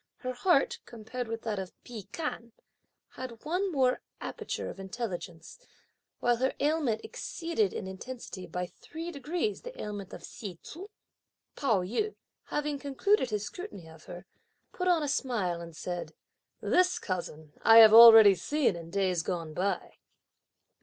Her heart, compared with that of Pi Kan, had one more aperture of intelligence; while her ailment exceeded (in intensity) by three degrees the ailment of Hsi Tzu. Pao yü, having concluded his scrutiny of her, put on a smile and said, "This cousin I have already seen in days gone by."